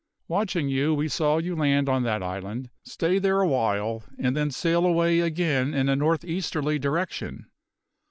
Watching you, we saw you land on that island, stay there a while, and then sail away again in a north easterly direction.